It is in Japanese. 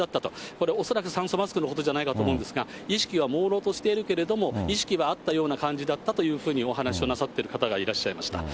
これ、恐らく酸素マスクのことじゃないかと思うんですけれども、意識がもうろうとしているけれども、意識はあったような感じだったというふうにお話をなさっている方がいらっしゃいました。